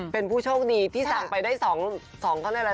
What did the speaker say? เป็นผู้โชคดีที่สั่งไปได้๒เหรียญ